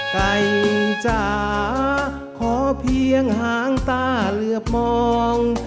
ใกล้จะขอเพียงหางตาเลือบมอง